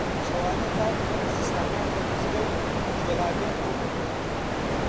شەوانە تا درەنگ زستانان لە مزگەوت جۆرابێنمان دەکرد